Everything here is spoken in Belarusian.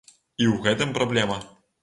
І ў гэтым праблема.